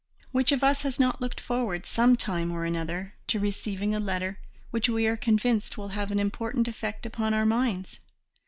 Which of us has not looked forward, some time or another, to receiving a letter which we are convinced will have an important effect upon our minds?